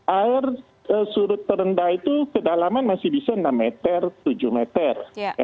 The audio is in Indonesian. air surut terendah itu kedalaman masih bisa enam meter tujuh meter